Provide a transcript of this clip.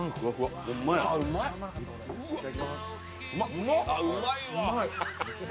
・うまいわ。